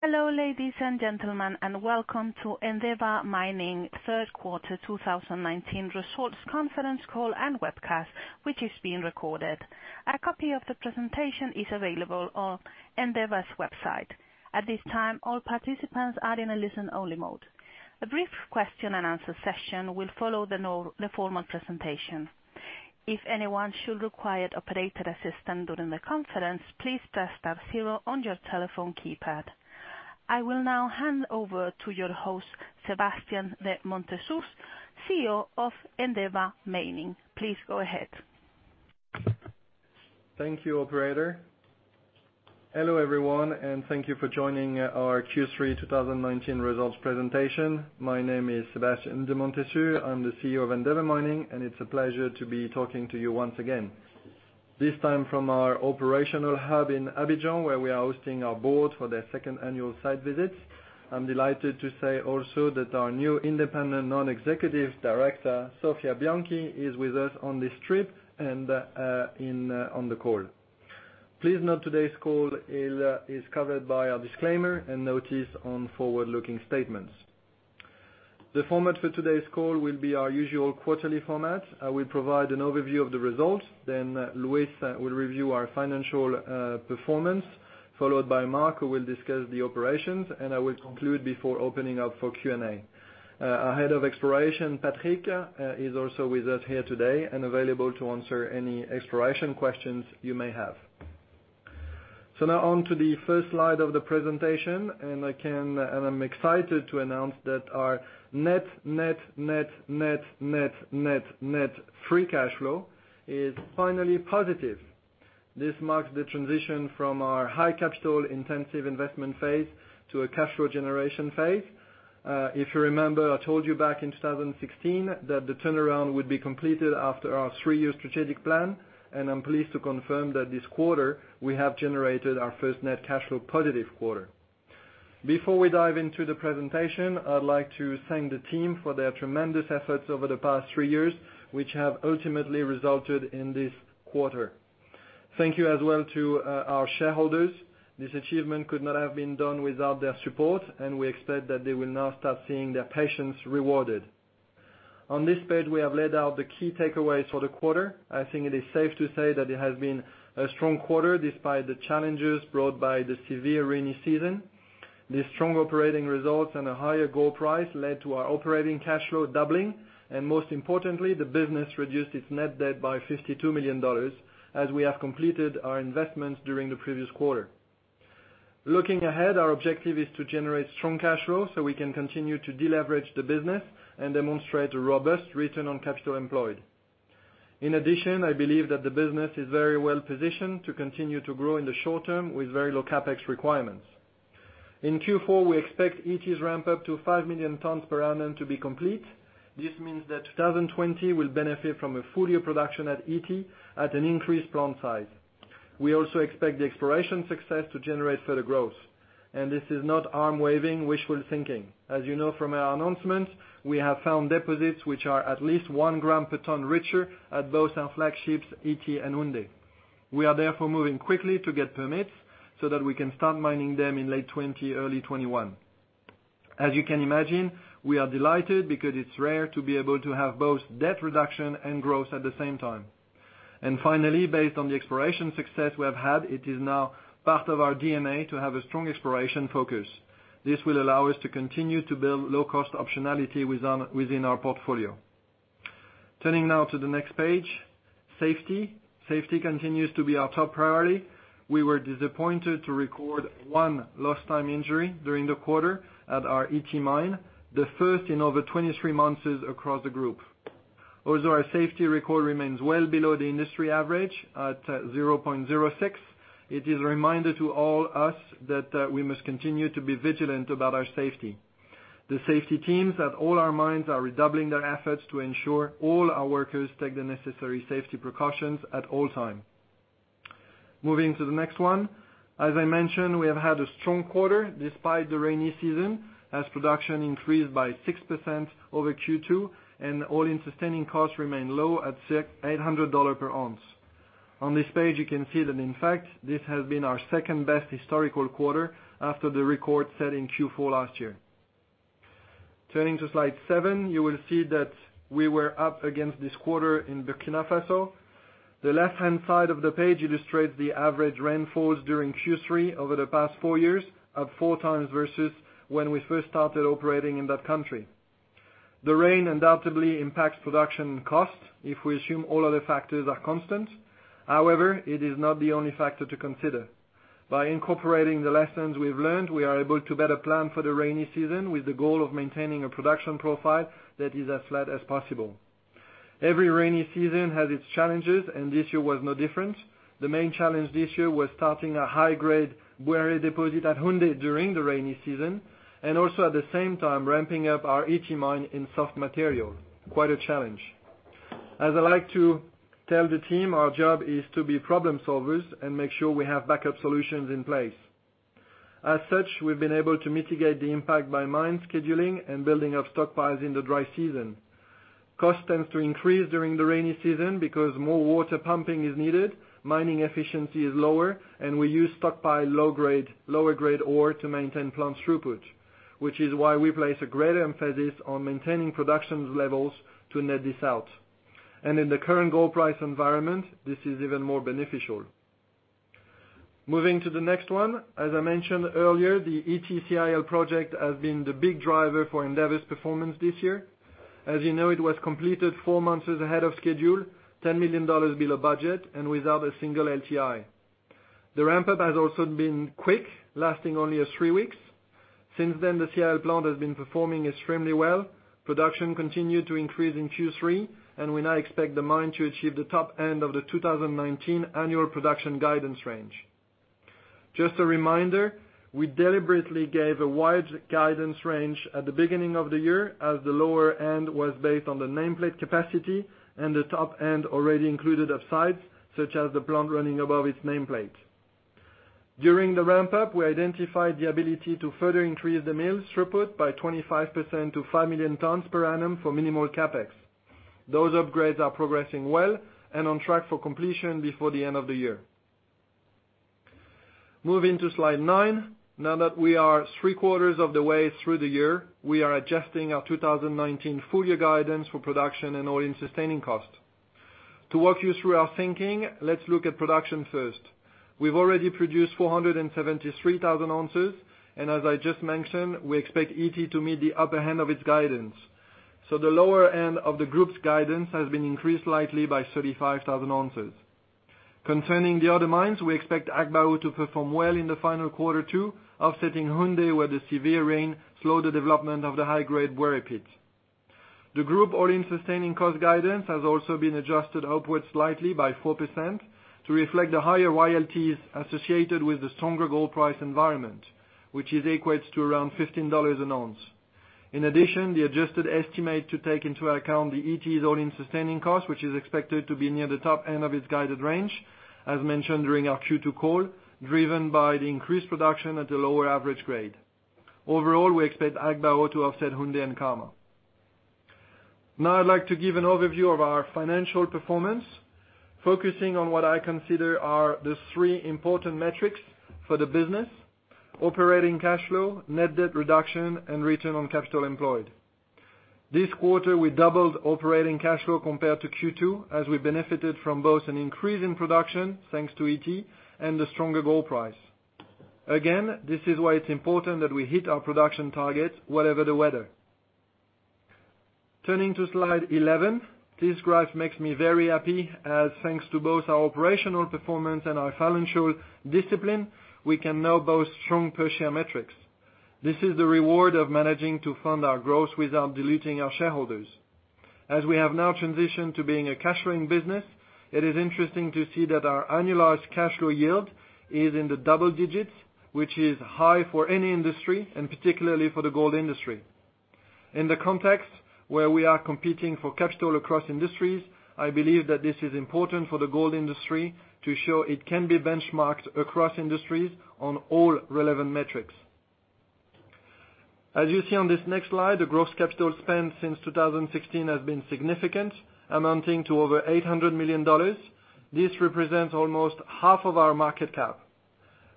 Hello, ladies and gentlemen, and welcome to Endeavour Mining third quarter 2019 results conference call and webcast, which is being recorded. A copy of the presentation is available on Endeavour's website. At this time, all participants are in a listen-only mode. A brief question and answer session will follow the formal presentation. If anyone should require operator assistance during the conference, please press star zero on your telephone keypad. I will now hand over to your host, Sébastien de Montessus, CEO of Endeavour Mining. Please go ahead. Thank you, operator. Hello, everyone, and thank you for joining our Q3 2019 results presentation. My name is Sébastien de Montessus. I'm the CEO of Endeavour Mining, and it's a pleasure to be talking to you once again, this time from our operational hub in Abidjan, where we are hosting our board for their second annual site visit. I'm delighted to say also that our new Independent Non-Executive Director, Sofia Bianchi, is with us on this trip and on the call. Please note today's call is covered by a disclaimer and notice on forward-looking statements. The format for today's call will be our usual quarterly format. I will provide an overview of the results, then Louis will review our financial performance, followed by Mark, who will discuss the operations, and I will conclude before opening up for Q&A. Now on to the first slide of the presentation, I'm excited to announce that our net free cash flow is finally positive. This marks the transition from our high capital-intensive investment phase to a cash flow generation phase. If you remember, I told you back in 2016 that the turnaround would be completed after our three-year strategic plan, I'm pleased to confirm that this quarter we have generated our first net cash flow positive quarter. Before we dive into the presentation, I'd like to thank the team for their tremendous efforts over the past three years, which have ultimately resulted in this quarter. Thank you as well to our shareholders. This achievement could not have been done without their support, and we expect that they will now start seeing their patience rewarded. On this page, we have laid out the key takeaways for the quarter. I think it is safe to say that it has been a strong quarter despite the challenges brought by the severe rainy season. The strong operating results and a higher gold price led to our operating cash flow doubling, and most importantly, the business reduced its net debt by $52 million as we have completed our investments during the previous quarter. Looking ahead, our objective is to generate strong cash flow so we can continue to deleverage the business and demonstrate a robust return on capital employed. In addition, I believe that the business is very well positioned to continue to grow in the short term with very low CapEx requirements. In Q4, we expect Ity's ramp up to 5 million tons per annum to be complete. This means that 2020 will benefit from a full year production at Ity at an increased plant size. This is not arm-waving, wishful thinking. As you know from our announcement, we have found deposits which are at least one gram per ton richer at both our flagships, Ity and Houndé. We are therefore moving quickly to get permits so that we can start mining them in late 2020, early 2021. As you can imagine, we are delighted because it's rare to be able to have both debt reduction and growth at the same time. Finally, based on the exploration success we have had, it is now part of our DNA to have a strong exploration focus. This will allow us to continue to build low-cost optionality within our portfolio. Turning now to the next page. Safety. Safety continues to be our top priority. We were disappointed to record one lost time injury during the quarter at our Ity Mine, the first in over 23 months across the group. Although our safety record remains well below the industry average at 0.06, it is a reminder to all us that we must continue to be vigilant about our safety. The safety teams at all our mines are redoubling their efforts to ensure all our workers take the necessary safety precautions at all time. Moving to the next one. As I mentioned, we have had a strong quarter despite the rainy season, as production increased by 6% over Q2 and all-in sustaining costs remain low at $800 per ounce. On this page, you can see that in fact, this has been our second-best historical quarter after the record set in Q4 last year. Turning to slide seven, you will see that we were up against this quarter in Burkina Faso. The left-hand side of the page illustrates the average rainfalls during Q3 over the past four years, up four times versus when we first started operating in that country. The rain undoubtedly impacts production cost if we assume all other factors are constant. It is not the only factor to consider. By incorporating the lessons we've learned, we are able to better plan for the rainy season with the goal of maintaining a production profile that is as flat as possible. Every rainy season has its challenges, and this year was no different. The main challenge this year was starting a high-grade Bouéré deposit at Houndé during the rainy season, and also at the same time ramping up our Ity mine in soft material. Quite a challenge. As I like to tell the team, our job is to be problem solvers and make sure we have backup solutions in place. As such, we've been able to mitigate the impact by mine scheduling and building up stockpiles in the dry season. Cost tends to increase during the rainy season because more water pumping is needed, mining efficiency is lower, and we use stockpile lower grade ore to maintain plant throughput, which is why we place a greater emphasis on maintaining production levels to net this out. In the current gold price environment, this is even more beneficial. Moving to the next one. As I mentioned earlier, the Ity CIL project has been the big driver for Endeavour's performance this year. As you know, it was completed four months ahead of schedule, $10 million below budget, and without a single LTI. The ramp-up has also been quick, lasting only three weeks. Since then, the CIL plant has been performing extremely well. Production continued to increase in Q3, and we now expect the mine to achieve the top end of the 2019 annual production guidance range. Just a reminder, we deliberately gave a wide guidance range at the beginning of the year as the lower end was based on the nameplate capacity and the top end already included upsides such as the plant running above its nameplate. During the ramp-up, we identified the ability to further increase the mill throughput by 25% to five million tons per annum for minimal CapEx. Those upgrades are progressing well and on track for completion before the end of the year. Moving to slide nine. Now that we are three-quarters of the way through the year, we are adjusting our 2019 full year guidance for production and all-in sustaining cost. To walk you through our thinking, let's look at production first. We've already produced 473,000 ounces, and as I just mentioned, we expect Ity to meet the upper end of its guidance. The lower end of the group's guidance has been increased slightly by 35,000 ounces. Concerning the other mines, we expect Agbaou to perform well in the final quarter too, offsetting Houndé where the severe rain slowed the development of the high-grade Bouéré pit. The group all-in sustaining cost guidance has also been adjusted upwards slightly by 4% to reflect the higher royalties associated with the stronger gold price environment, which equates to around $15 an ounce. In addition, the adjusted estimate to take into account the Ity's all-in sustaining cost, which is expected to be near the top end of its guided range, as mentioned during our Q2 call, driven by the increased production at a lower average grade. Overall, we expect Agbaou to offset Houndé and Karma. Now I'd like to give an overview of our financial performance, focusing on what I consider are the three important metrics for the business, operating cash flow, net debt reduction, and return on capital employed. This quarter, we doubled operating cash flow compared to Q2 as we benefited from both an increase in production, thanks to Ity, and the stronger gold price. Again, this is why it's important that we hit our production targets whatever the weather. Turning to slide 11. This graph makes me very happy as thanks to both our operational performance and our financial discipline, we can now boast strong per share metrics. This is the reward of managing to fund our growth without diluting our shareholders. As we have now transitioned to being a cash flowing business, it is interesting to see that our annualized cash flow yield is in the double digits, which is high for any industry and particularly for the gold industry. In the context where we are competing for capital across industries, I believe that this is important for the gold industry to show it can be benchmarked across industries on all relevant metrics. As you see on this next slide, the gross capital spend since 2016 has been significant, amounting to over $800 million. This represents almost half of our market cap.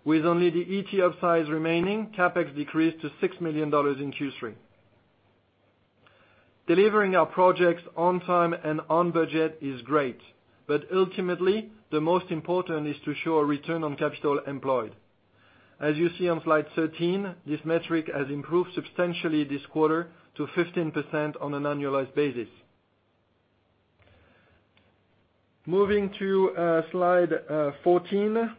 With only the Ity upsides remaining, CapEx decreased to $6 million in Q3. Delivering our projects on time and on budget is great, but ultimately, the most important is to show a return on capital employed. As you see on slide 13, this metric has improved substantially this quarter to 15% on an annualized basis. Moving to slide 14.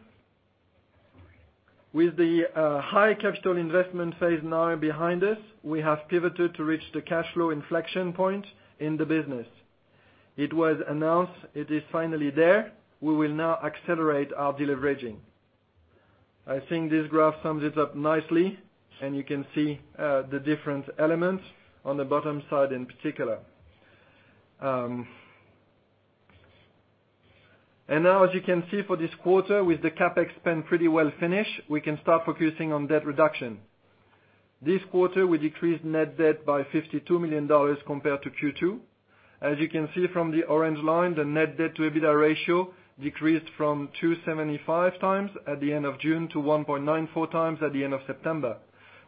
With the high capital investment phase now behind us, we have pivoted to reach the cash flow inflection point in the business. It was announced, it is finally there. We will now accelerate our deleveraging. I think this graph sums it up nicely, and you can see the different elements on the bottom side in particular. Now as you can see for this quarter with the CapEx spend pretty well finished, we can start focusing on debt reduction. This quarter, we decreased net debt by $52 million compared to Q2. As you can see from the orange line, the net debt to EBITDA ratio decreased from 2.75 times at the end of June to 1.94 times at the end of September,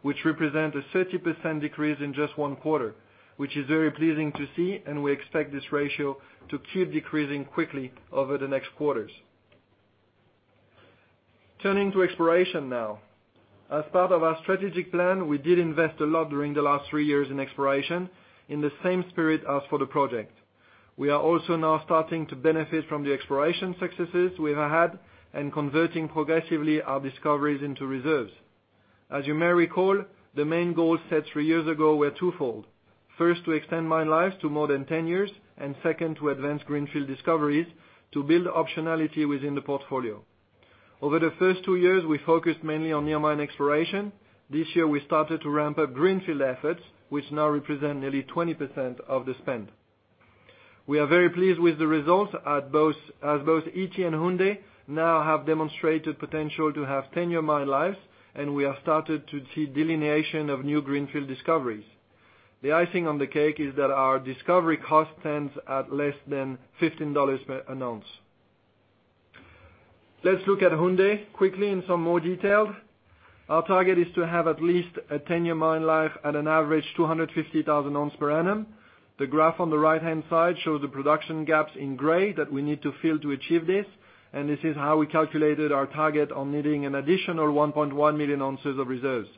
which represent a 30% decrease in just one quarter, which is very pleasing to see, and we expect this ratio to keep decreasing quickly over the next quarters. Turning to exploration now. As part of our strategic plan, we did invest a lot during the last three years in exploration, in the same spirit as for the project. We are also now starting to benefit from the exploration successes we have had and converting progressively our discoveries into reserves. As you may recall, the main goals set three years ago were twofold. First, to extend mine life to more than 10 years, and second, to advance greenfield discoveries to build optionality within the portfolio. Over the first two years, we focused mainly on near mine exploration. This year, we started to ramp up greenfield efforts, which now represent nearly 20% of the spend. We are very pleased with the results as both Ity and Houndé now have demonstrated potential to have tenure mine lives, and we have started to see delineation of new greenfield discoveries. The icing on the cake is that our discovery cost stands at less than $15 per ounce. Let's look at Houndé quickly in some more detail. Our target is to have at least a 10-year mine life at an average 250,000 ounce per annum. The graph on the right-hand side shows the production gaps in gray that we need to fill to achieve this, and this is how we calculated our target on needing an additional 1.1 million ounces of reserves.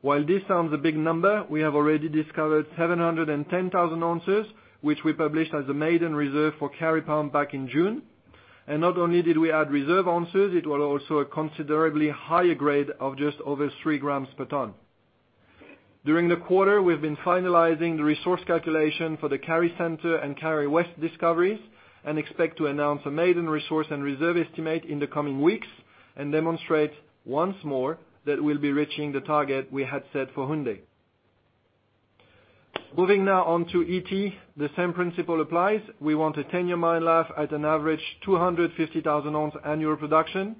While this sounds a big number, we have already discovered 710,000 ounces, which we published as a maiden reserve for Kari Pump back in June. Not only did we add reserve ounces, it was also a considerably higher grade of just over 3 grams per ton. During the quarter, we've been finalizing the resource calculation for the Kari Center and Kari West discoveries and expect to announce a maiden resource and reserve estimate in the coming weeks and demonstrate once more that we'll be reaching the target we had set for Houndé. Moving now on to Ity, the same principle applies. We want a 10-year mine life at an average 250,000 ounce annual production.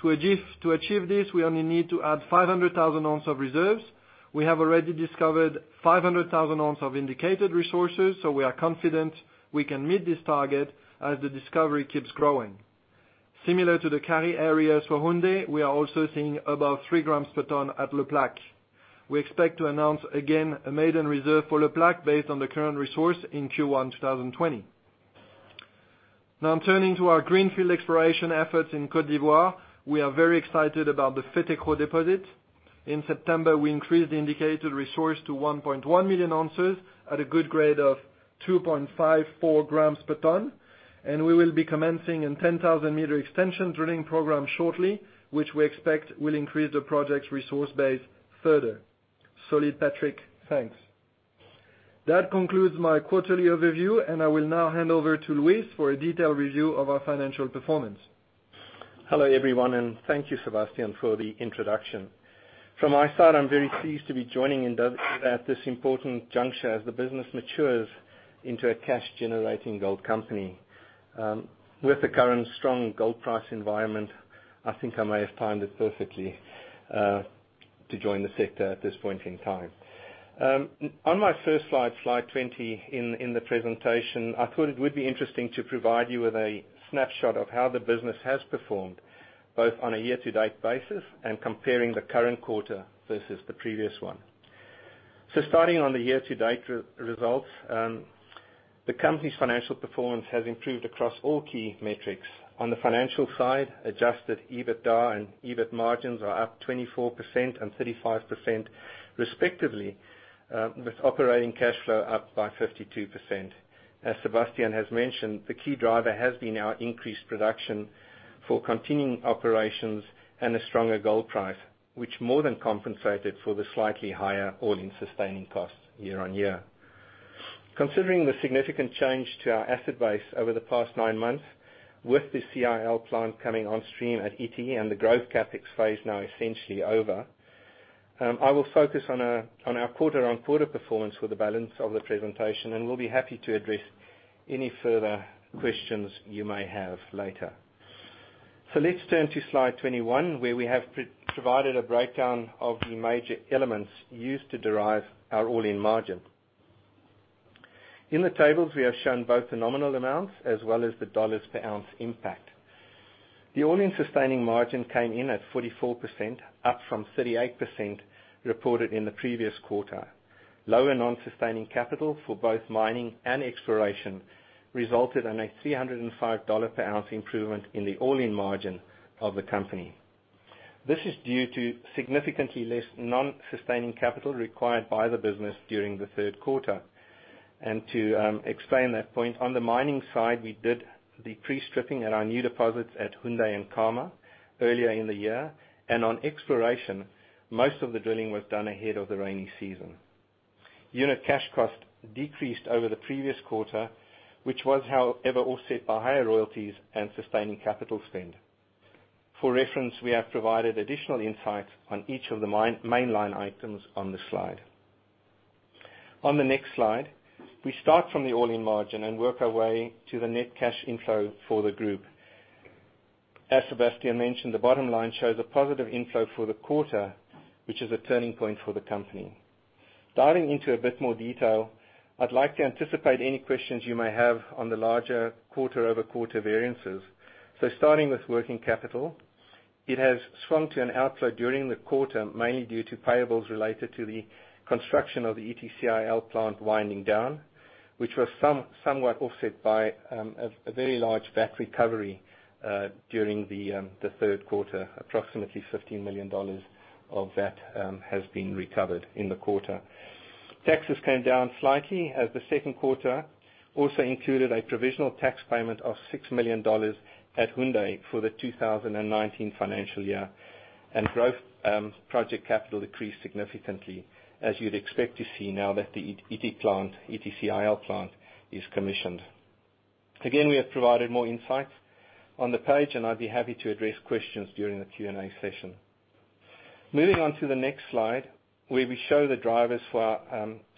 To achieve this, we only need to add 500,000 ounces of reserves. We have already discovered 500,000 ounces of indicated resources, so we are confident we can meet this target as the discovery keeps growing. Similar to the Kari areas for Houndé, we are also seeing above three grams per ton at Le Plaque. We expect to announce again a maiden reserve for Le Plaque based on the current resource in Q1 2020. Turning to our greenfield exploration efforts in Côte d'Ivoire, we are very excited about the Fetekro deposit. In September, we increased the indicated resource to 1.1 million ounces at a good grade of 2.54 grams per ton, and we will be commencing a 10,000-meter extension drilling program shortly, which we expect will increase the project's resource base further. Solid, Patrick. Thanks. That concludes my quarterly overview, and I will now hand over to Louis for a detailed review of our financial performance. Hello, everyone, and thank you, Sébastien, for the introduction. From my side, I'm very pleased to be joining Endeavour at this important juncture as the business matures into a cash-generating gold company. With the current strong gold price environment, I think I may have timed it perfectly to join the sector at this point in time. On my first slide 20 in the presentation, I thought it would be interesting to provide you with a snapshot of how the business has performed, both on a year-to-date basis and comparing the current quarter versus the previous one. Starting on the year-to-date results, the company's financial performance has improved across all key metrics. On the financial side, adjusted EBITDA and EBIT margins are up 24% and 35% respectively, with operating cash flow up by 52%. As Sébastien has mentioned, the key driver has been our increased production for continuing operations and a stronger gold price, which more than compensated for the slightly higher all-in sustaining costs year-on-year. Considering the significant change to our asset base over the past nine months with the CIL plant coming on stream at Ity and the growth CapEx phase now essentially over, I will focus on our quarter-on-quarter performance for the balance of the presentation, and we will be happy to address any further questions you may have later. Let's turn to slide 21, where we have provided a breakdown of the major elements used to derive our all-in sustaining margin. In the tables, we have shown both the nominal amounts as well as the dollars per ounce impact. The all-in sustaining margin came in at 44%, up from 38% reported in the previous quarter. Lower non-sustaining capital for both mining and exploration resulted in a $305 per ounce improvement in the all-in margin of the company. This is due to significantly less non-sustaining capital required by the business during the third quarter. To explain that point, on the mining side, we did the pre-stripping at our new deposits at Houndé and Karma earlier in the year, and on exploration, most of the drilling was done ahead of the rainy season. Unit cash cost decreased over the previous quarter, which was, however, offset by higher royalties and sustaining capital spend. For reference, we have provided additional insight on each of the mainline items on the slide. On the next slide, we start from the all-in margin and work our way to the net cash inflow for the group. As Sébastien mentioned, the bottom line shows a positive inflow for the quarter, which is a turning point for the company. Diving into a bit more detail, I'd like to anticipate any questions you may have on the larger quarter-over-quarter variances. Starting with working capital, it has swung to an outflow during the quarter, mainly due to payables related to the construction of the Ity CIL plant winding down, which was somewhat offset by a very large VAT recovery during the third quarter. Approximately $15 million of that has been recovered in the quarter. Taxes came down slightly as the second quarter also included a provisional tax payment of $6 million at Houndé for the 2019 financial year, and growth project capital decreased significantly, as you'd expect to see now that the Ity CIL plant is commissioned. We have provided more insight on the page, and I'd be happy to address questions during the Q&A session. Moving on to the next slide, where we show the drivers for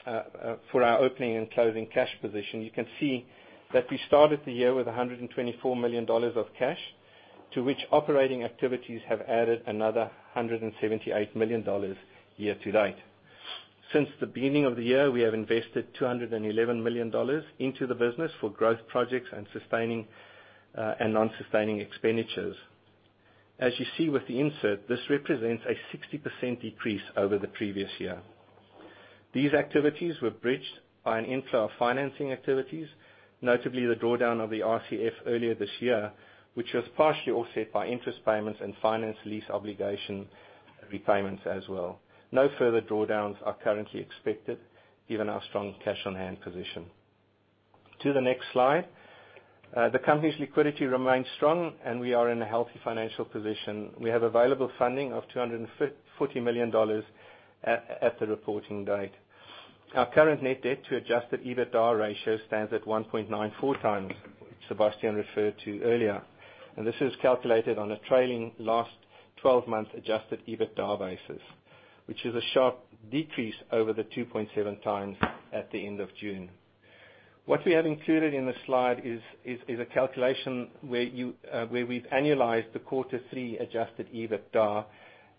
our opening and closing cash position. You can see that we started the year with $124 million of cash, to which operating activities have added another $178 million year to date. Since the beginning of the year, we have invested $211 million into the business for growth projects and sustaining, and non-sustaining expenditures. As you see with the insert, this represents a 60% decrease over the previous year. These activities were bridged by an inflow of financing activities, notably the drawdown of the RCF earlier this year, which was partially offset by interest payments and finance lease obligation repayments as well. No further drawdowns are currently expected given our strong cash-on-hand position. To the next slide. The company's liquidity remains strong, and we are in a healthy financial position. We have available funding of $240 million at the reporting date. Our current net debt to adjusted EBITDA ratio stands at 1.94 times, which Sébastien referred to earlier. This is calculated on a trailing last 12 months adjusted EBITDA basis, which is a sharp decrease over the 2.7 times at the end of June. What we have included in the slide is a calculation where we've annualized the quarter three adjusted EBITDA.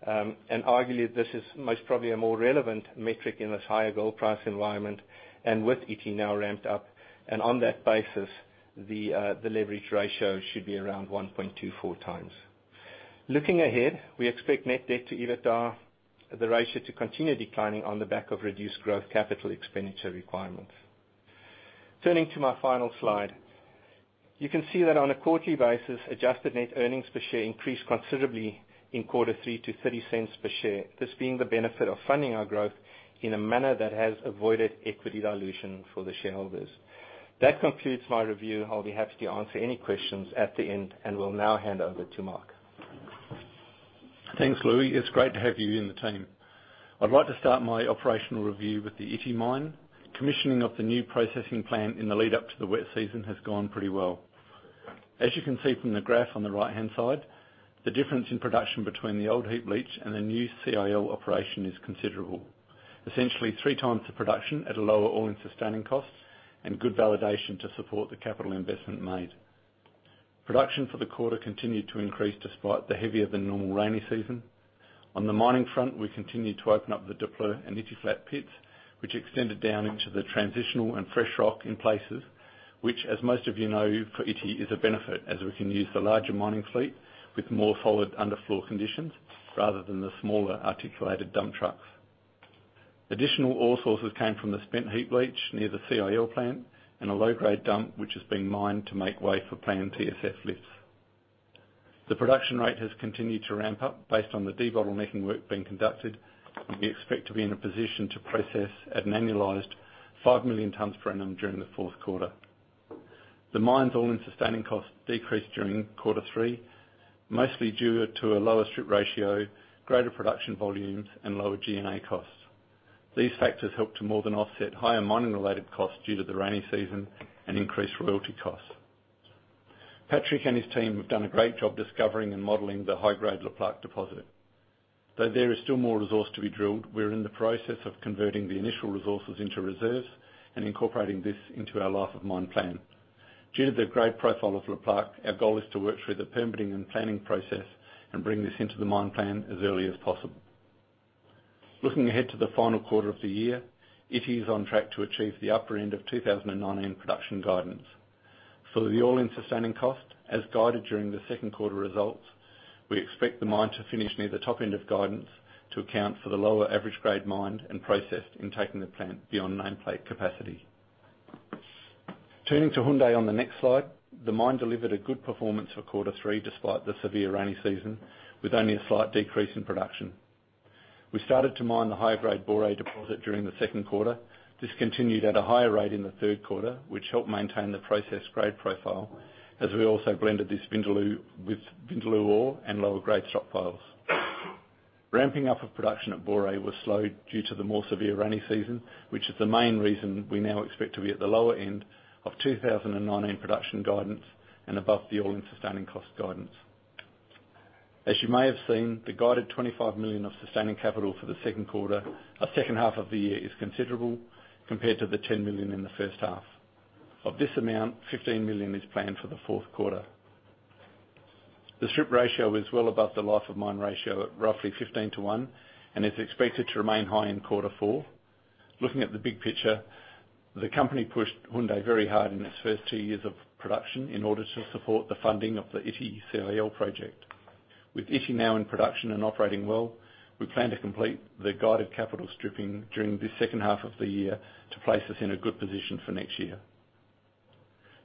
Arguably, this is most probably a more relevant metric in this higher gold price environment and with Ity now ramped up. On that basis, the leverage ratio should be around 1.24 times. Looking ahead, we expect net debt to EBITDA, the ratio to continue declining on the back of reduced growth capital expenditure requirements. Turning to my final slide. You can see that on a quarterly basis, adjusted net earnings per share increased considerably in quarter three to $0.30 per share. This being the benefit of funding our growth in a manner that has avoided equity dilution for the shareholders. That concludes my review. I will be happy to answer any questions at the end, and will now hand over to Mark. Thanks, Louis. It's great to have you in the team. I'd like to start my operational review with the Ity Mine. Commissioning of the new processing plant in the lead-up to the wet season has gone pretty well. As you can see from the graph on the right-hand side, the difference in production between the old heap leach and the new CIL operation is considerable. Essentially three times the production at a lower all-in sustaining cost and good validation to support the capital investment made. Production for the quarter continued to increase despite the heavier than normal rainy season. On the mining front, we continued to open up the Daapleu and Ity Flat pits, which extended down into the transitional and fresh rock in places, which, as most of you know, for Ity, is a benefit as we can use the larger mining fleet with more solid underfloor conditions rather than the smaller Articulated Dump Trucks. Additional ore sources came from the spent heap leach near the CIL plant and a low-grade dump, which is being mined to make way for planned TSF lifts. The production rate has continued to ramp up based on the debottlenecking work being conducted, and we expect to be in a position to process at an annualized 5 million tons per annum during the fourth quarter. The mine's all-in sustaining costs decreased during quarter three, mostly due to a lower strip ratio, greater production volumes, and lower G&A costs. These factors helped to more than offset higher mining-related costs due to the rainy season and increased royalty costs. Patrick and his team have done a great job discovering and modeling the high-grade Le Plaque deposit. Though there is still more resource to be drilled, we are in the process of converting the initial resources into reserves and incorporating this into our life of mine plan. Due to the grade profile of Le Plaque, our goal is to work through the permitting and planning process and bring this into the mine plan as early as possible. Looking ahead to the final quarter of the year, Ity is on track to achieve the upper end of 2019 production guidance. For the all-in sustaining cost, as guided during the second quarter results, we expect the mine to finish near the top end of guidance to account for the lower average grade mined and processed in taking the plant beyond nameplate capacity. Turning to Houndé on the next slide, the mine delivered a good performance for quarter three despite the severe rainy season, with only a slight decrease in production. We started to mine the high-grade Bouéré deposit during the second quarter. This continued at a higher rate in the third quarter, which helped maintain the process grade profile, as we also blended this with Vindaloo ore and lower grade stockpiles. Ramping up of production at Bouéré was slow due to the more severe rainy season, which is the main reason we now expect to be at the lower end of 2019 production guidance and above the all-in sustaining cost guidance. As you may have seen, the guided $25 million of sustaining capital for the second half of the year is considerable compared to the $10 million in the first half. Of this amount, $15 million is planned for the fourth quarter. The strip ratio is well above the life of mine ratio at roughly 15 to one, and is expected to remain high in quarter four. Looking at the big picture, the company pushed Houndé very hard in its first two years of production in order to support the funding of the Ity CIL project. With Ity now in production and operating well, we plan to complete the guided capital stripping during this second half of the year to place us in a good position for next year.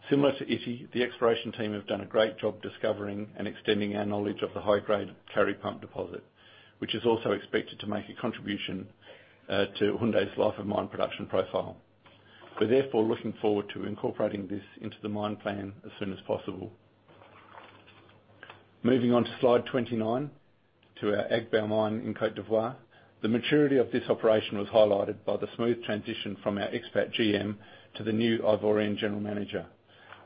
Similar to Ity, the exploration team have done a great job discovering and extending our knowledge of the high-grade Kari Pump deposit, which is also expected to make a contribution to Houndé's life of mine production profile. We're therefore looking forward to incorporating this into the mine plan as soon as possible. Moving on to slide 29, to our Agbaou Mine in Côte d'Ivoire. The maturity of this operation was highlighted by the smooth transition from our expat GM to the new Ivorian general manager.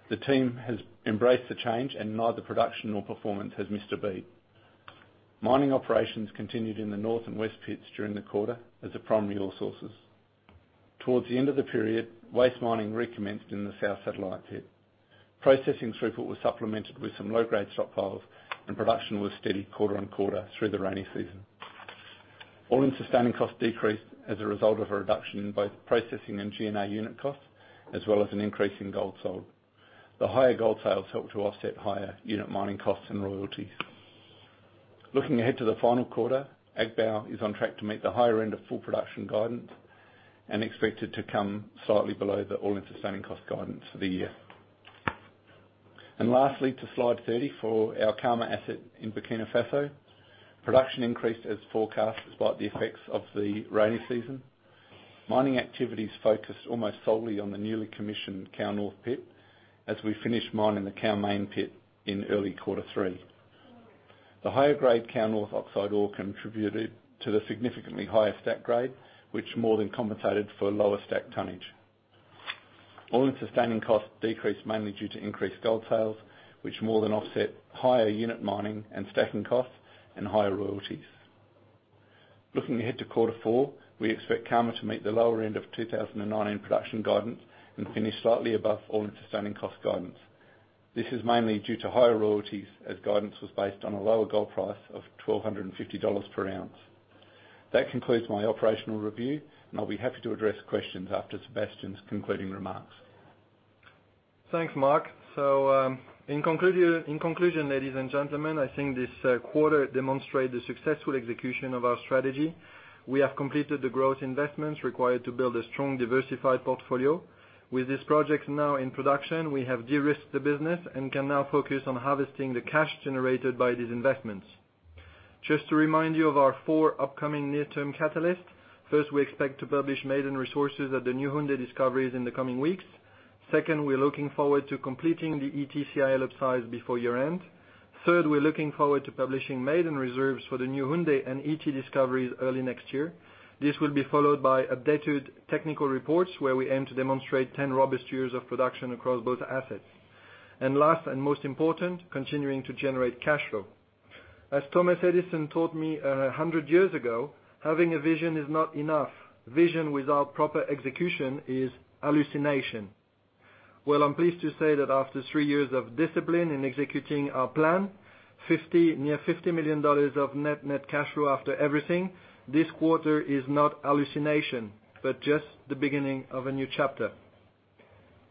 The team has embraced the change and neither production nor performance has missed a beat. Mining operations continued in the north and west pits during the quarter as the primary ore sources. Towards the end of the period, waste mining recommenced in the south satellite pit. Processing throughput was supplemented with some low-grade stockpiles, and production was steady quarter-on-quarter through the rainy season. All-in sustaining costs decreased as a result of a reduction in both processing and G&A unit costs, as well as an increase in gold sold. The higher gold sales helped to offset higher unit mining costs and royalties. Looking ahead to the final quarter, Agbaou is on track to meet the higher end of full production guidance and expected to come slightly below the all-in sustaining cost guidance for the year. Lastly, to Slide 30 for our Karma asset in Burkina Faso. Production increased as forecast despite the effects of the rainy season. Mining activities focused almost solely on the newly commissioned Kao North pit as we finished mining the Kao main pit in early Quarter 3. The higher-grade Kao North oxide ore contributed to the significantly higher stack grade, which more than compensated for lower stack tonnage. All-in sustaining costs decreased mainly due to increased gold sales, which more than offset higher unit mining and stacking costs and higher royalties. Looking ahead to Quarter 4, we expect Karma to meet the lower end of 2019 production guidance and finish slightly above all-in sustaining cost guidance. This is mainly due to higher royalties as guidance was based on a lower gold price of $1,250 per ounce. That concludes my operational review, and I'll be happy to address questions after Sébastien's concluding remarks. Thanks, Mark. In conclusion, ladies and gentlemen, I think this quarter demonstrated the successful execution of our strategy. We have completed the growth investments required to build a strong, diversified portfolio. With this project now in production, we have de-risked the business and can now focus on harvesting the cash generated by these investments. Just to remind you of our four upcoming near-term catalysts. First, we expect to publish maiden resources at the new Houndé discoveries in the coming weeks. Second, we're looking forward to completing the Ity CIL upsize before year-end. Third, we're looking forward to publishing maiden reserves for the new Houndé and Ity discoveries early next year. This will be followed by updated technical reports where we aim to demonstrate 10 robust years of production across both assets. Last and most important, continuing to generate cash flow. As Thomas Edison taught me 100 years ago, having a vision is not enough. Vision without proper execution is hallucination. Well, I'm pleased to say that after three years of discipline in executing our plan, near $50 million of net cash flow after everything, this quarter is not a hallucination, but just the beginning of a new chapter.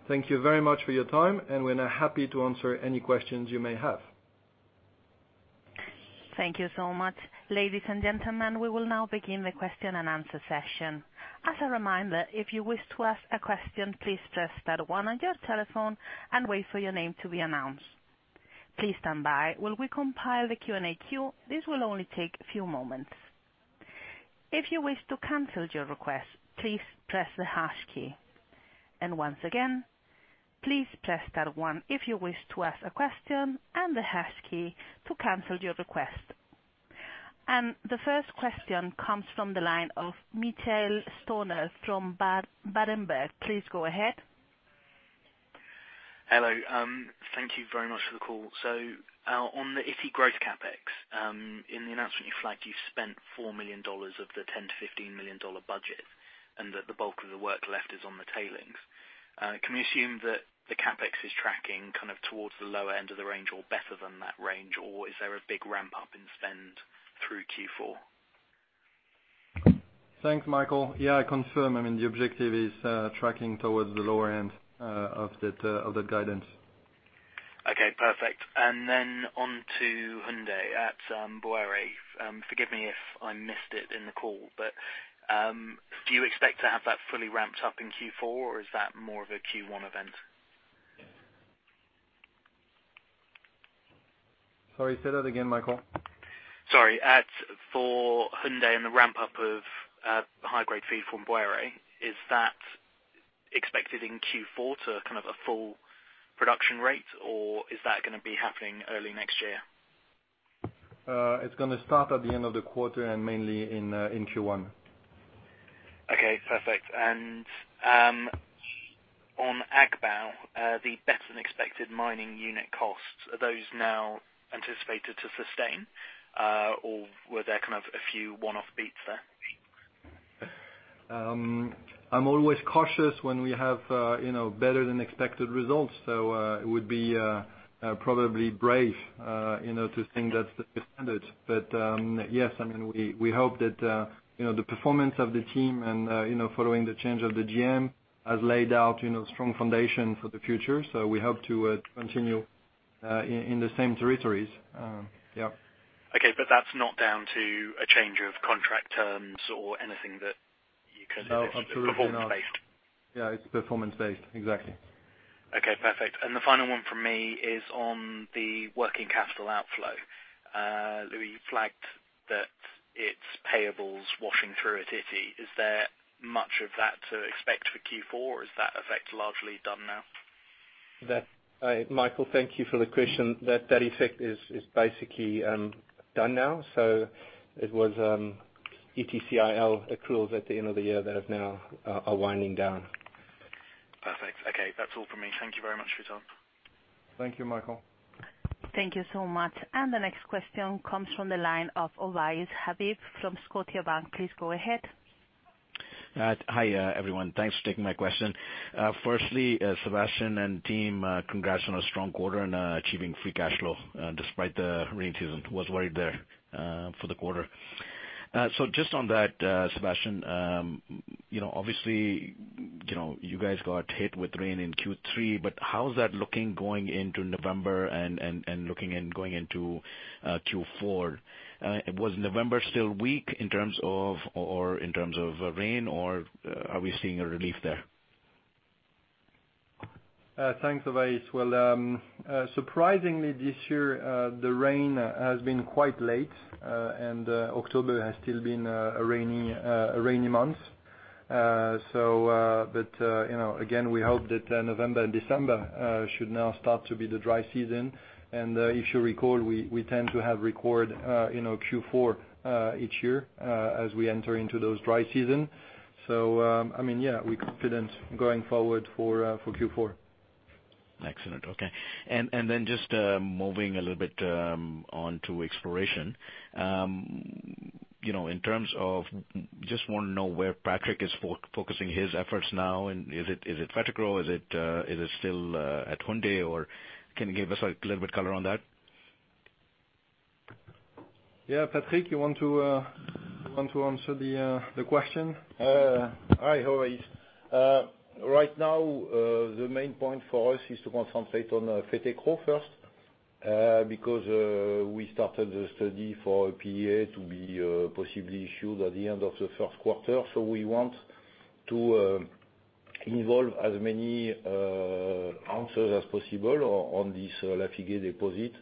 Thank you very much for your time, and we're now happy to answer any questions you may have. Thank you so much. Ladies and gentlemen, we will now begin the question-and-answer session. As a reminder, if you wish to ask a question, please press star one on your telephone and wait for your name to be announced. Please stand by while we compile the Q&A queue. This will only take a few moments. If you wish to cancel your request, please press the hash key. Once again, please press star one if you wish to ask a question and the hash key to cancel your request. The first question comes from the line of Michael Stoner from Berenberg. Please go ahead. Hello. Thank you very much for the call. On the Ity growth CapEx, in the announcement, you flagged you've spent $4 million of the $10 million-$15 million budget, and that the bulk of the work left is on the tailings. Can we assume that the CapEx is tracking towards the lower end of the range or better than that range, or is there a big ramp-up in spend through Q4? Thanks, Michael. Yeah, I confirm. The objective is tracking towards the lower end of that guidance. Okay, perfect. On to Houndé at Bouéré. Forgive me if I missed it in the call, but do you expect to have that fully ramped up in Q4, or is that more of a Q1 event? Sorry, say that again, Michael. Sorry. For Houndé and the ramp-up of high-grade feed from Bouéré, is that expected in Q4 to a full production rate, or is that going to be happening early next year? It's going to start at the end of the quarter and mainly in Q1. Okay, perfect. On Agbaou, the better-than-expected mining unit costs, are those now anticipated to sustain? Were there a few one-off beats there? I'm always cautious when we have better-than-expected results. It would be probably brave to think that's the standard. Yes, we hope that the performance of the team and following the change of the GM has laid out strong foundation for the future. We hope to continue in the same territories. Yeah. Okay, that's not down to a change of contract terms or anything that you can. No, absolutely not. it's performance-based. Yeah, it's performance-based. Exactly. Okay, perfect. The final one from me is on the working capital outflow. Louis flagged that it's payables washing through at Ity. Is there much of that to expect for Q4, or is that effect largely done now? Michael, thank you for the question. That effect is basically done now. It was Ity CIL accruals at the end of the year that have now are winding down. Perfect. Okay. That's all for me. Thank you very much, Vital. Thank you, Michael. Thank you so much. The next question comes from the line of Ovais Habib from Scotiabank. Please go ahead. Hi, everyone. Thanks for taking my question. Firstly, Sébastien and team, congrats on a strong quarter and achieving free cash flow despite the rain season. Was worried there for the quarter. Just on that, Sébastien, obviously, you guys got hit with rain in Q3, but how's that looking going into November and going into Q4? Was November still weak in terms of rain, or are we seeing a relief there? Thanks, Ovais. Surprisingly this year, the rain has been quite late. October has still been a rainy month. Again, we hope that November and December should now start to be the dry season. If you recall, we tend to have record Q4 each year as we enter into those dry season. We're confident going forward for Q4. Excellent. Okay. Just moving a little bit on to exploration. Just want to know where Patrick is focusing his efforts now, and is it Fetekro? Is it still at Houndé, or can you give us a little bit color on that? Yeah. Patrick, you want to answer the question? Hi, Ovais. Right now, the main point for us is to concentrate on Fetekro first, because we started the study for a PEA to be possibly issued at the end of the first quarter. We want to involve as many answers as possible on this Lafigué deposit.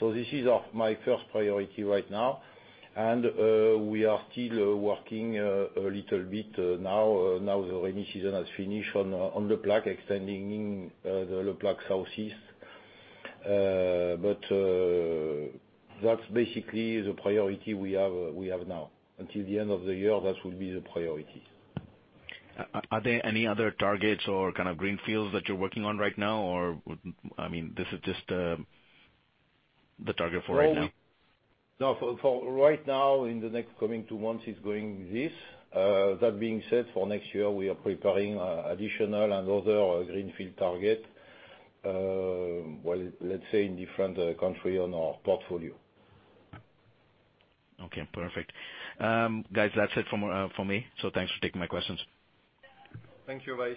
This is my first priority right now. We are still working a little bit now. Now the rainy season has finished on Le Plaque extending Le Plaque southeast. That's basically the priority we have now. Until the end of the year, that will be the priority. Are there any other targets or kind of greenfields that you're working on right now? This is just the target for right now? No, for right now, in the next coming two months, it's going this. That being said, for next year, we are preparing additional and other greenfield target, well let's say in different country on our portfolio. Okay, perfect. Guys, that's it for me. Thanks for taking my questions. Thank you, Ovais.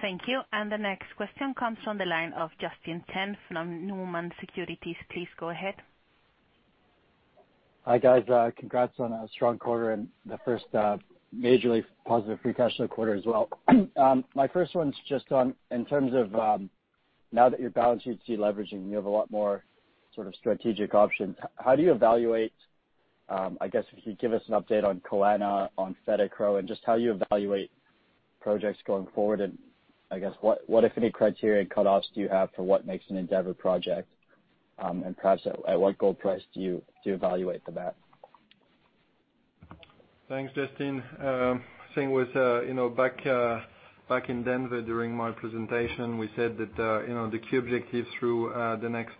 Thank you. The next question comes from the line of Justin Tenz from Numis Securities. Please go ahead. Hi guys, congrats on a strong quarter and the first majorly positive free cash flow quarter as well. My first one's just on, in terms of now that your balance sheet's deleveraging, you have a lot more sort of strategic options. How do you evaluate, I guess if you'd give us an update on Kalana, on Fetekro, and just how you evaluate projects going forward, and I guess, what if any criteria cutoffs do you have for what makes an Endeavour project? Perhaps at what gold price do you evaluate for that? Thanks, Justin. Same with back in Denver during my presentation, we said that the key objectives through the next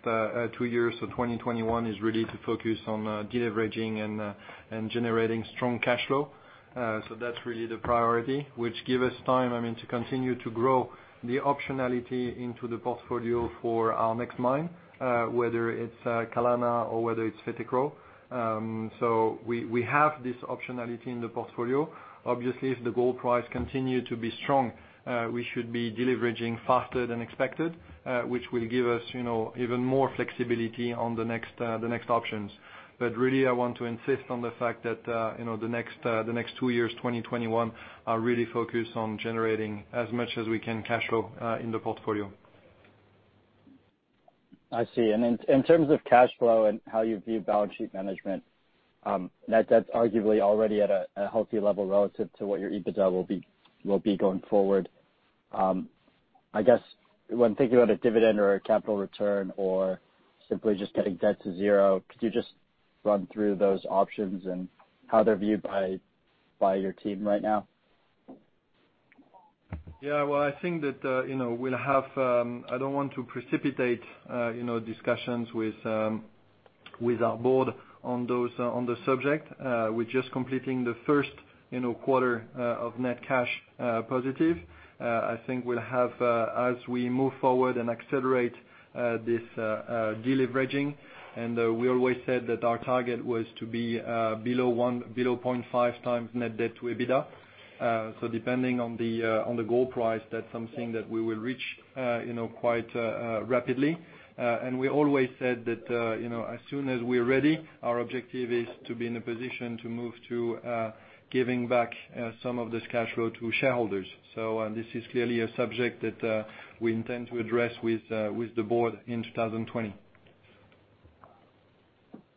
two years, 2021 is really to focus on deleveraging and generating strong cash flow. That's really the priority, which give us time, I mean, to continue to grow the optionality into the portfolio for our next mine, whether it's Kalana or whether it's Fetekro. We have this optionality in the portfolio. Obviously, if the gold price continue to be strong, we should be deleveraging faster than expected, which will give us even more flexibility on the next options. Really, I want to insist on the fact that the next two years, 2021, are really focused on generating as much as we can cash flow in the portfolio. I see. In terms of cash flow and how you view balance sheet management, that's arguably already at a healthy level relative to what your EBITDA will be going forward. I guess, when thinking about a dividend or a capital return or simply just getting debt to zero, could you just run through those options and how they're viewed by your team right now? Well, I think that we'll have, I don't want to precipitate discussions with our board on the subject. We're just completing the first quarter of net cash positive. I think we'll have, as we move forward and accelerate this deleveraging, we always said that our target was to be below 0.5 times net debt to EBITDA. Depending on the gold price, that's something that we will reach quite rapidly. We always said that as soon as we're ready, our objective is to be in a position to move to giving back some of this cash flow to shareholders. This is clearly a subject that we intend to address with the board in 2020.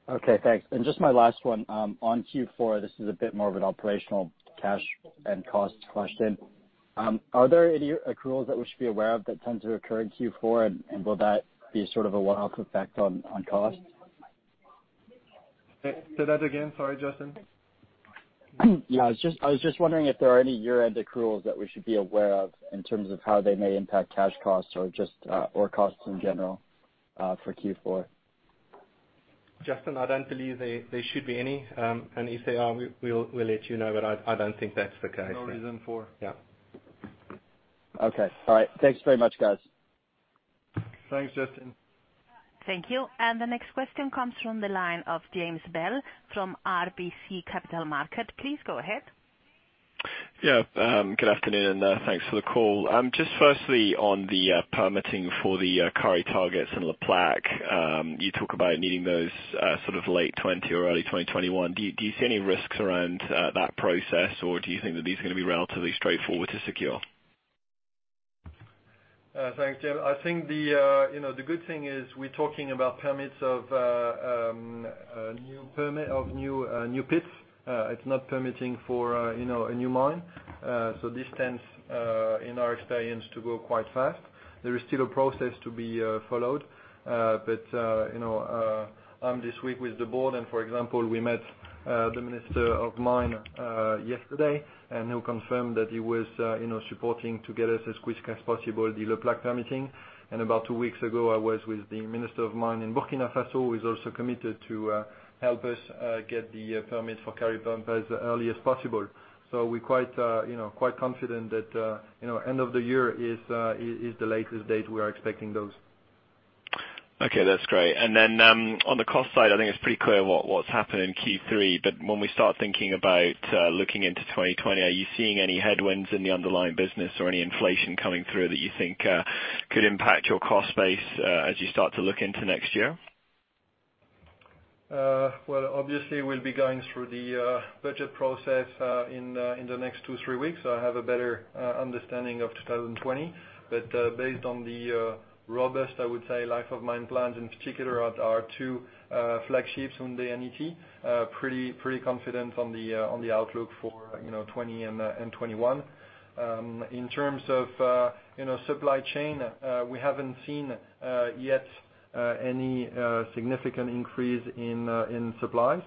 Okay, thanks. Just my last one, on Q4, this is a bit more of an operational cash and cost question. Are there any accruals that we should be aware of that tend to occur in Q4, and will that be a one-off effect on cost? Say that again. Sorry, Justin. I was just wondering if there are any year-end accruals that we should be aware of in terms of how they may impact cash costs or costs in general for Q4? Justin, I don't believe there should be any. If there are, we'll let you know, but I don't think that's the case. No reason for. Yeah. Okay, all right. Thanks very much, guys. Thanks, Justin. Thank you. The next question comes from the line of James Bell from RBC Capital Markets. Please go ahead. Yeah, good afternoon, and thanks for the call. Just firstly, on the permitting for the Kari targets and Le Plaque, you talk about needing those late 2020 or early 2021. Do you see any risks around that process, or do you think that these are going to be relatively straightforward to secure? Thanks, James. I think the good thing is we're talking about permits of new pits. It's not permitting for a new mine. This tends, in our experience, to go quite fast. There is still a process to be followed. I'm this week with the board, and for example, we met the Minister of Mine yesterday, and he confirmed that he was supporting to get us as quick as possible the Le Plaque permitting. About two weeks ago, I was with the Minister of Mine in Burkina Faso, who is also committed to help us get the permits for Kari Pump as early as possible. We're quite confident that end of the year is the latest date we are expecting those. Okay, that's great. Then on the cost side, I think it's pretty clear what's happened in Q3, but when we start thinking about looking into 2020, are you seeing any headwinds in the underlying business or any inflation coming through that you think could impact your cost base as you start to look into next year? Obviously, we'll be going through the budget process in the next two, three weeks, I have a better understanding of 2020. Based on the robust, I would say, life of mine plans, in particular at our two flagships, Houndé and Ity, pretty confident on the outlook for 2020 and 2021. In terms of supply chain, we haven't seen yet any significant increase in supplies.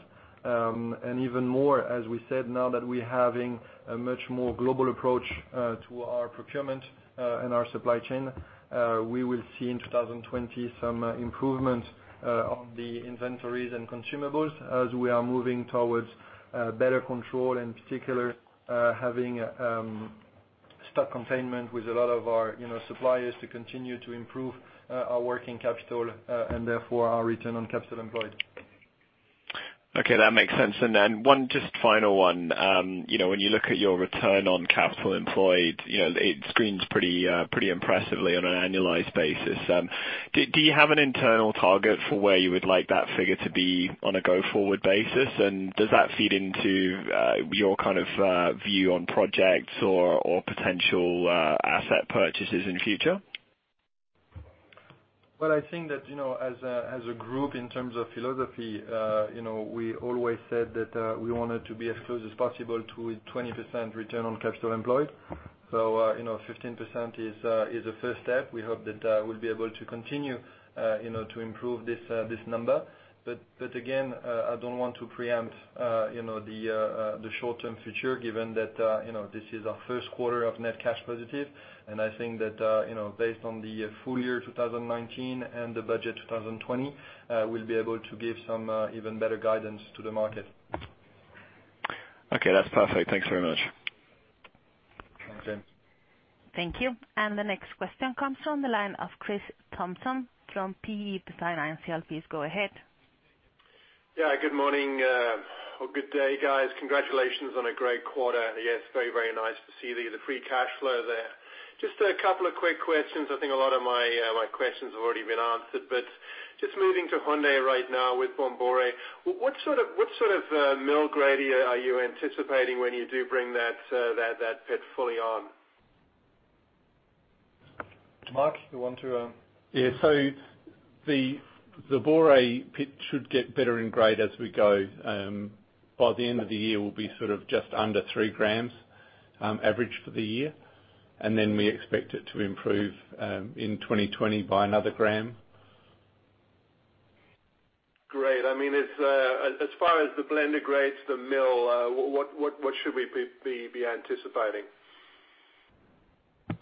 Even more, as we said, now that we're having a much more global approach to our procurement and our supply chain, we will see in 2020 some improvement on the inventories and consumables as we are moving towards better control, in particular, having stock containment with a lot of our suppliers to continue to improve our working capital, and therefore our return on capital employed. Okay, that makes sense. One just final one. When you look at your return on capital employed, it screens pretty impressively on an annualized basis. Do you have an internal target for where you would like that figure to be on a go-forward basis? Does that feed into your view on projects or potential asset purchases in future? I think that as a group in terms of philosophy, we always said that we wanted to be as close as possible to a 20% return on capital employed. 15% is a first step. We hope that we'll be able to continue to improve this number. Again, I don't want to preempt the short-term future given that this is our first quarter of net cash positive. I think that based on the full year 2019 and the budget 2020, we'll be able to give some even better guidance to the market. Okay, that's perfect. Thanks very much. Thanks, James. Thank you. The next question comes from the line of Chris Thompson from PI Financial. Please go ahead. Yeah, good morning. Or good day, guys. Congratulations on a great quarter. Yes, very, very nice to see the free cash flow there. Just a couple of quick questions. I think a lot of my questions have already been answered, but just moving to [Houndé] right now with Bouéré. What sort of mill grade are you anticipating when you do bring that pit fully on? Mark, you want to? The Bouéré pit should get better in grade as we go. By the end of the year, we'll be just under three grams average for the year. We expect it to improve in 2020 by another gram. Great. As far as the blender grades, the mill, what should we be anticipating?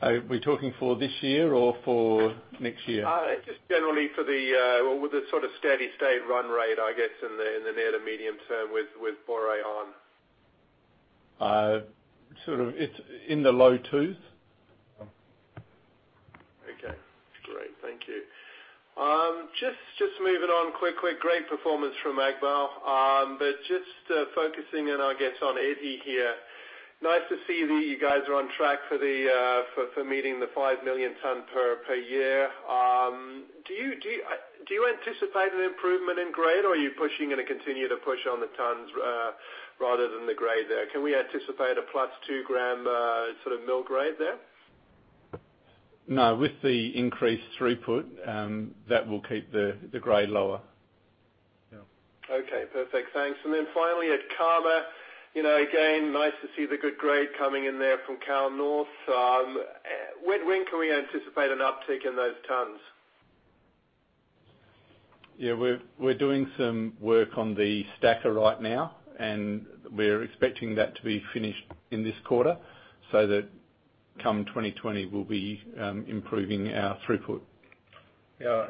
Are we talking for this year or for next year? Just generally for the steady state run rate, I guess, in the near to medium term with Bouéré on. It's in the low twos. Okay, great. Thank you. Just moving on quickly. Great performance from Agbaou. Just focusing in, I guess, on Ity here. Nice to see that you guys are on track for meeting the 5 million tons per year. Do you anticipate an improvement in grade, or are you pushing and continue to push on the tons rather than the grade there? Can we anticipate a +2 gram mill grade there? No, with the increased throughput, that will keep the grade lower. Yeah. Okay, perfect. Thanks. Finally, at Karma. Again, nice to see the good grade coming in there from Kao North. When can we anticipate an uptick in those tons? Yeah, we're doing some work on the stacker right now, and we're expecting that to be finished in this quarter, so that come 2020, we'll be improving our throughput. Yeah,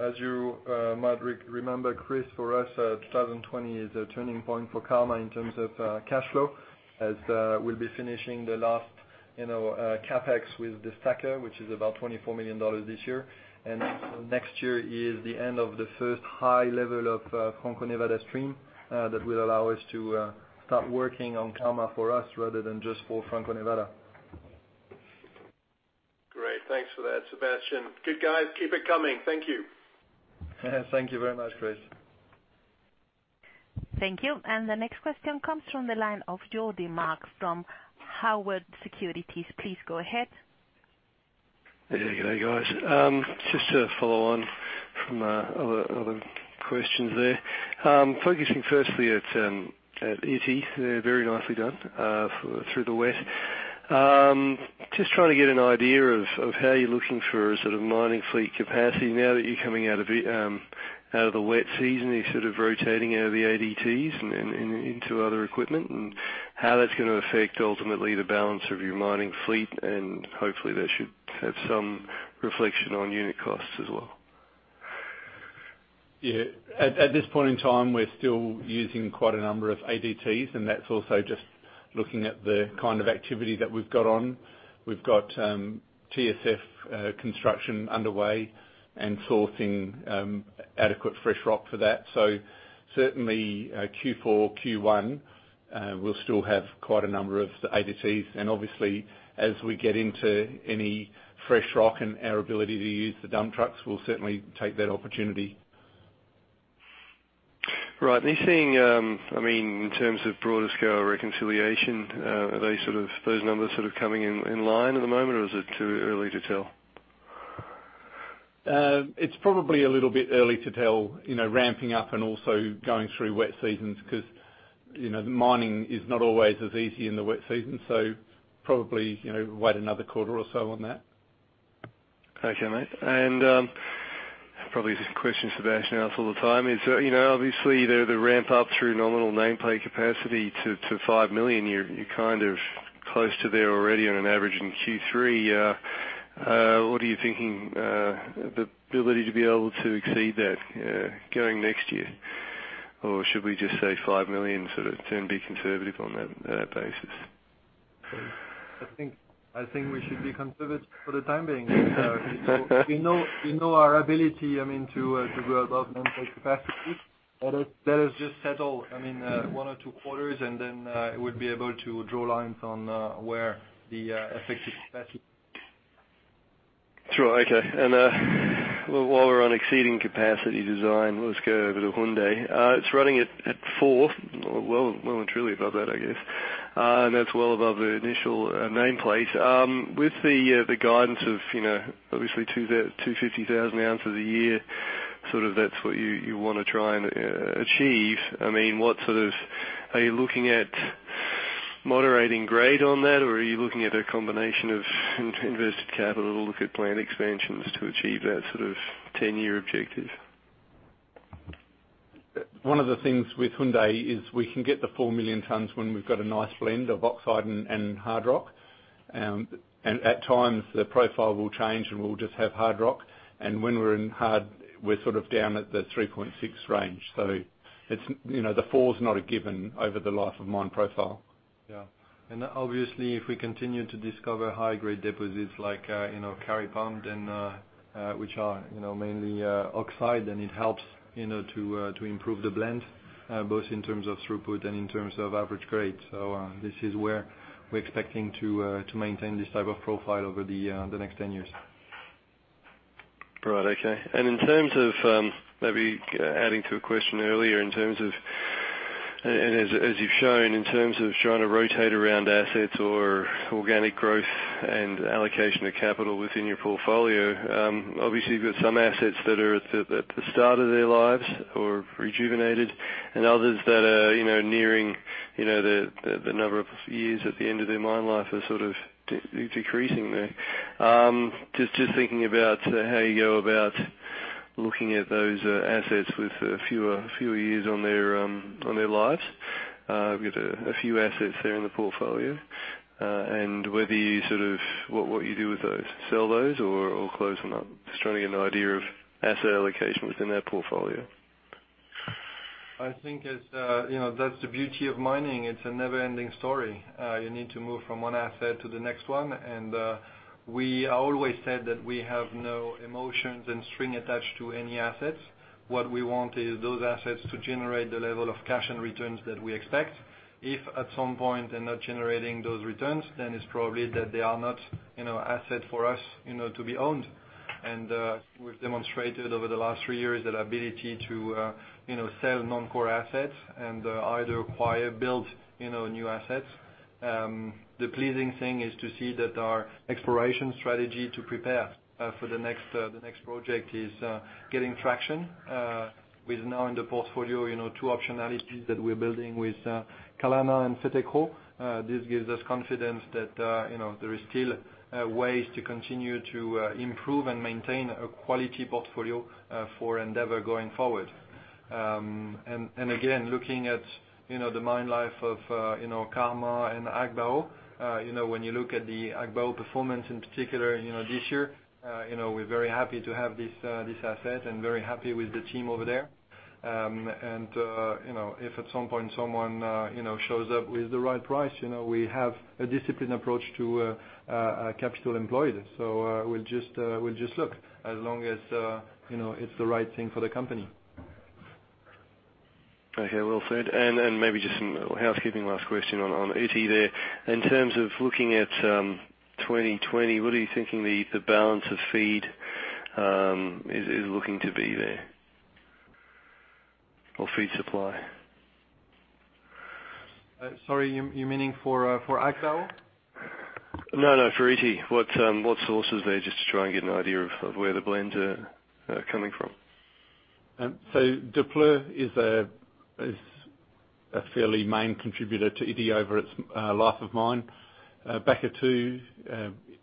as you might remember, Chris, for us, 2020 is a turning point for Karma in terms of cash flow, as we'll be finishing the last CapEx with the stacker, which is about $24 million this year. Next year is the end of the first high level of Franco-Nevada stream. That will allow us to start working on Karma for us rather than just for Franco-Nevada. Great. Thanks for that, Sébastien. Good, guys. Keep it coming. Thank you. Thank you very much, Chris. Thank you. The next question comes from the line of Geordie Mark from Haywood Securities. Please go ahead. Yeah, good day, guys. Just to follow on from other questions there. Focusing firstly at Ity, very nicely done through the wet. Just trying to get an idea of how you're looking for mining fleet capacity now that you're coming out of the wet season. Are you rotating out of the ADTs and into other equipment, and how that's going to affect, ultimately, the balance of your mining fleet, and hopefully that should have some reflection on unit costs as well. Yeah. At this point in time, we're still using quite a number of ADTs, and that's also just looking at the kind of activity that we've got on. We've got TSF construction underway and sourcing adequate fresh rock for that. Certainly, Q4, Q1, we'll still have quite a number of ADTs. Obviously, as we get into any fresh rock and our ability to use the dump trucks, we'll certainly take that opportunity. Right. You're seeing, in terms of broader scale of reconciliation, are those numbers coming in line at the moment, or is it too early to tell? It's probably a little bit early to tell, ramping up and also going through wet seasons because mining is not always as easy in the wet season, so probably wait another quarter or so on that. Okay, mate. Probably this question Sébastien gets all the time is, obviously the ramp-up through nominal nameplate capacity to 5 million, you're close to there already on an average in Q3. What are you thinking the ability to be able to exceed that going into next year? Should we just say 5 million, and be conservative on that basis? I think we should be conservative for the time being. We know our ability to go above nameplate capacity. Let us just settle one or two quarters. Then we'll be able to draw lines on where the effective capacity is. Sure. Okay. While we're on exceeding capacity design, let's go over to Houndé. It's running at four. Well and truly above that, I guess. That's well above the initial nameplate. With the guidance of, obviously, 250,000 ounces a year, that's what you want to try and achieve. Are you looking at moderating grade on that, or are you looking at a combination of invested capital or look at plant expansions to achieve that sort of 10-year objective? One of the things with Houndé is we can get the 4 million tons when we've got a nice blend of oxide and hard rock. At times, the profile will change, and we'll just have hard rock. When we're in hard, we're down at the 3.6 range. The 4's not a given over the life of mine profile. Yeah. Obviously, if we continue to discover high-grade deposits like Kari Pump, which are mainly oxide, then it helps to improve the blend, both in terms of throughput and in terms of average grade. This is where we're expecting to maintain this type of profile over the next 10 years. Right. Okay. In terms of maybe adding to a question earlier, as you've shown, in terms of trying to rotate around assets or organic growth and allocation of capital within your portfolio. Obviously, you've got some assets that are at the start of their lives or rejuvenated, and others that are nearing the number of years at the end of their mine life are decreasing there. Just thinking about how you go about looking at those assets with fewer years on their lives. We've got a few assets there in the portfolio. What you do with those, sell those or close them up? Just trying to get an idea of asset allocation within that portfolio. I think that's the beauty of mining. It's a never-ending story. You need to move from one asset to the next one. We always said that we have no emotions and string attached to any assets. What we want is those assets to generate the level of cash and returns that we expect. If at some point they're not generating those returns, then it's probably that they are not assets for us to be owned. We've demonstrated over the last three years that ability to sell non-core assets and either acquire, build new assets. The pleasing thing is to see that our exploration strategy to prepare for the next project is getting traction with now in the portfolio, two optionalities that we're building with Kalana and Fetekro. This gives us confidence that there is still ways to continue to improve and maintain a quality portfolio for Endeavour going forward. Again, looking at the mine life of Karma and Agbaou. When you look at the Agbaou performance in particular this year, we're very happy to have this asset and very happy with the team over there. If at some point someone shows up with the right price, we have a disciplined approach to capital employed. We'll just look as long as it's the right thing for the company. Okay. Well said. Maybe just some housekeeping, last question on Ity there. In terms of looking at 2020, what are you thinking the balance of feed is looking to be there? Feed supply? Sorry, you're meaning for Agbaou? No, for Ity. What sources there, just to try and get an idea of where the blends are coming from? Daapleu is a fairly main contributor to Ity over its life of mine. Bakatouo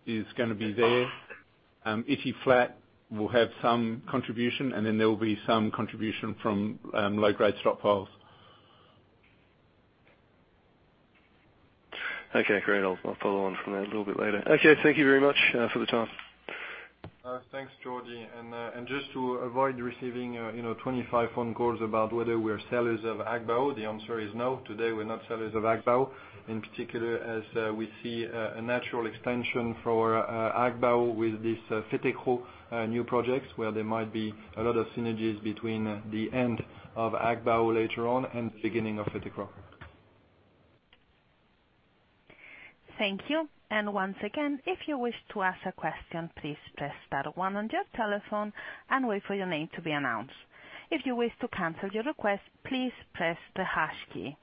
is going to be there. Ity Flat will have some contribution, then there will be some contribution from low-grade stockpiles. Okay, great. I'll follow on from that a little bit later. Okay, thank you very much for the time. Thanks, Jordi. Just to avoid receiving 25 phone calls about whether we are sellers of Agbaou, the answer is no. Today, we're not sellers of Agbaou, in particular, as we see a natural extension for Agbaou with this Fetekro new projects where there might be a lot of synergies between the end of Agbaou later on and the beginning of Fetekro. Thank you. Once again, if you wish to ask a question, please press star one on your telephone and wait for your name to be announced. If you wish to cancel your request, please press the hash key.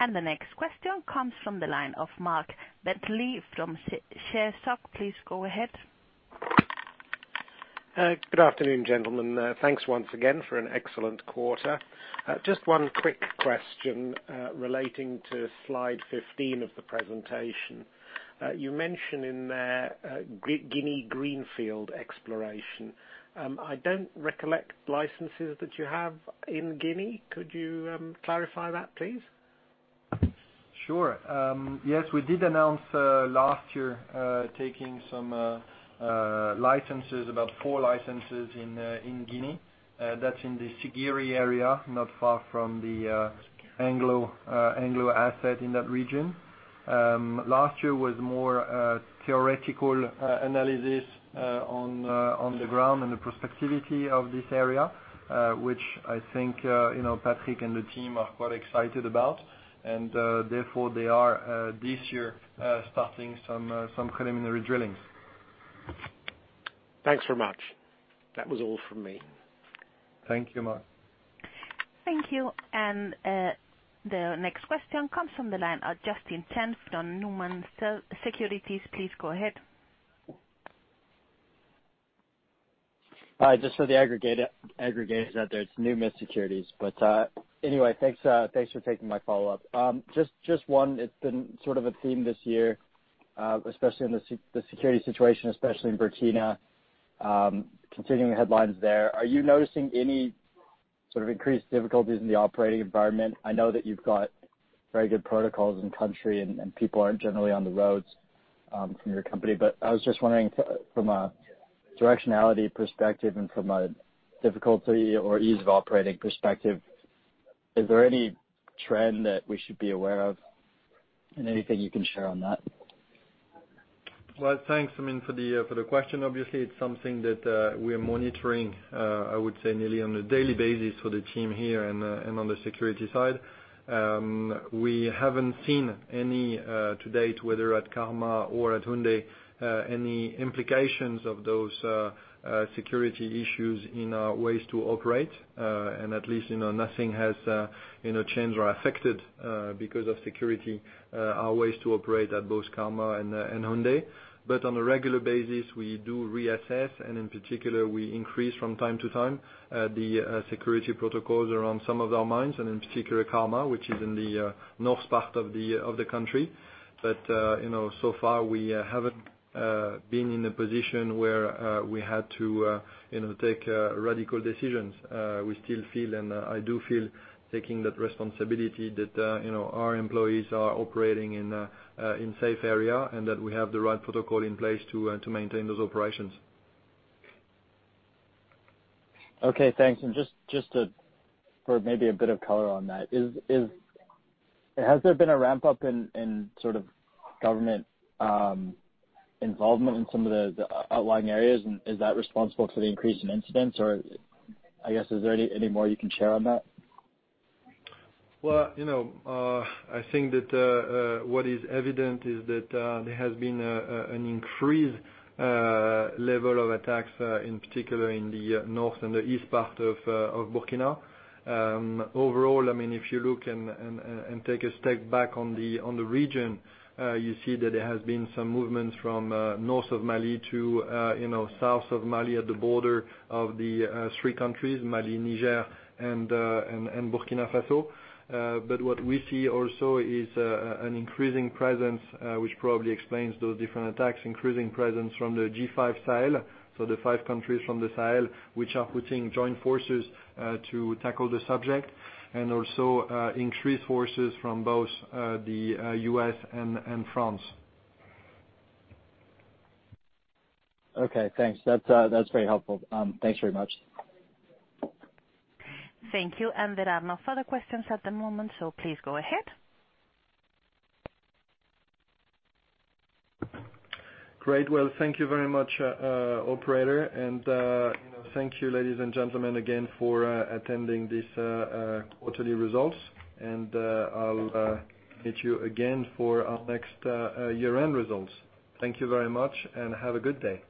The next question comes from the line of Mark Bentley from ShareSoc. Please go ahead. Good afternoon, gentlemen. Thanks once again for an excellent quarter. Just one quick question relating to slide 15 of the presentation. You mention in there Guinea Greenfield exploration. I don't recollect licenses that you have in Guinea. Could you clarify that, please? Sure. Yes, we did announce last year, taking some licenses, about four licenses in Guinea. That's in the Siguiri area, not far from the Anglo asset in that region. Last year was more a theoretical analysis on the ground and the prospectivity of this area, which I think Patrick and the team are quite excited about. Therefore, they are this year starting some preliminary drillings. Thanks very much. That was all from me. Thank you, Mark. Thank you. The next question comes from the line of Justin Tenston, Numis Securities. Please go ahead. Hi. Just for the aggregators out there, it's Numis Securities. Anyway, thanks for taking my follow-up. Just one, it's been sort of a theme this year, especially in the security situation, especially in Burkina, continuing headlines there. Are you noticing any sort of increased difficulties in the operating environment? I know that you've got very good protocols in country and people aren't generally on the roads from your company. I was just wondering from a directionality perspective and from a difficulty or ease of operating perspective, is there any trend that we should be aware of? Anything you can share on that? Well, thanks for the question. Obviously, it's something that we are monitoring, I would say nearly on a daily basis for the team here and on the security side. We haven't seen any to date, whether at Karma or at Houndé, any implications of those security issues in our ways to operate. At least nothing has changed or affected because of security, our ways to operate at both Karma and Houndé. On a regular basis, we do reassess, and in particular, we increase from time to time, the security protocols around some of our mines, and in particular, Karma, which is in the north part of the country. So far we haven't been in a position where we had to take radical decisions. We still feel, and I do feel, taking that responsibility that our employees are operating in safe area, and that we have the right protocol in place to maintain those operations. Okay, thanks. Just for maybe a bit of color on that. Has there been a ramp-up in government involvement in some of the outlying areas? Is that responsible for the increase in incidents? I guess, is there any more you can share on that? Well, I think that what is evident is that there has been an increased level of attacks, in particular in the north and the east part of Burkina. Overall, if you look and take a step back on the region, you see that there has been some movements from north of Mali to south of Mali at the border of the three countries, Mali, Niger, and Burkina Faso. What we see also is an increasing presence, which probably explains those different attacks, increasing presence from the G5 Sahel. The five countries from the Sahel, which are putting joint forces to tackle the subject, and also increased forces from both the U.S. and France. Okay, thanks. That's very helpful. Thanks very much. Thank you. There are no further questions at the moment, so please go ahead. Great. Well, thank you very much, operator. Thank you, ladies and gentlemen, again for attending this quarterly results. I'll meet you again for our next year-end results. Thank you very much, and have a good day.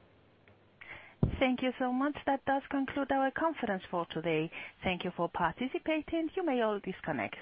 Thank you so much. That does conclude our conference for today. Thank you for participating. You may all disconnect.